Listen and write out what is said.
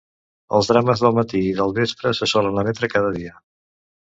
Els drames del matí i del vespre se solen emetre cada dia.